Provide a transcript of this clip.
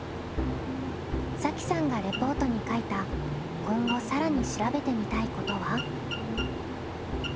さきさんがレポートに書いた今後更に調べてみたいことは？